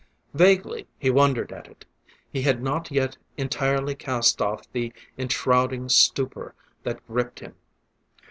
Vaguely he wondered at it; he had not yet entirely cast off the enshrouding stupor that gripped him.